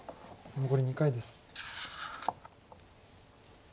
残り２回です。